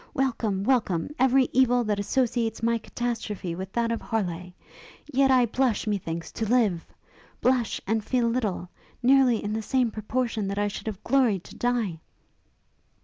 Welcome, welcome, every evil that associates my catastrophe with that of Harleigh! Yet I blush, methinks, to live! Blush, and feel little, nearly in the same proportion that I should have gloried to die!'